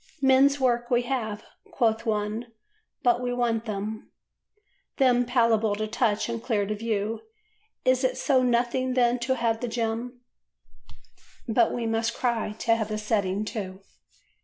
"Men's work we have," quoth one, "but we want them— Them palpable to touch and clear to view." Is it so nothing, then, to have the gem But we must cry to have the setting too?